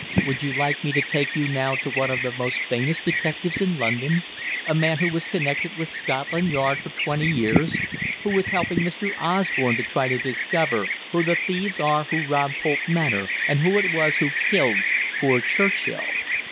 Would you like me to take you now to one of the most famous detectives in London a man who was connected with Scotland Yard for twenty years, who is helping Mr. Osborne to try to discover who the thieves are who robbed Holt Manor, and who it was who killed poor Churchill?"